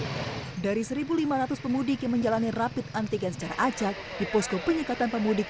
hai dari seribu lima ratus pemudik yang menjalani rapid antigen secara acak di posko penyekatan pemudik